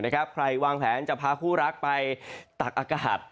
ใครวางแผนจะพาคู่รักไปตักอากาศ